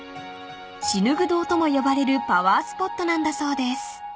［シヌグ堂とも呼ばれるパワースポットなんだそうです］